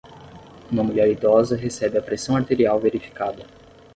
Uma mulher idosa recebe a pressão arterial verificada.